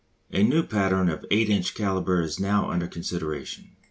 A new pattern of 8 inch calibre is now under consideration.